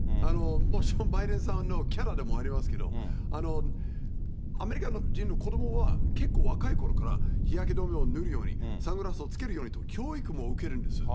もちろんバイデンさんのキャラでもありますけど、アメリカ人の子どもは、結構若いころから日焼け止めを塗るように、サングラスをつけるようにと教育も受けるんです。